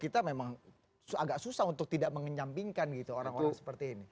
kita memang agak susah untuk tidak mengenyampingkan gitu orang orang seperti ini